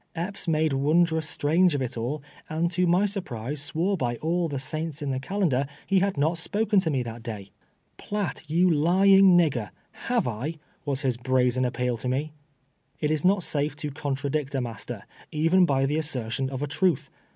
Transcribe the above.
Epps made wondrous strange of it all, and to my surprise, swore by all the saints in the calendar he had not spoken to me that day. " Piatt, you lying nigger, have I ?" was his brazen aj^peal to me. It is not safe to contradict a master, even by the assertion of a truth.